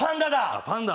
あっパンダ。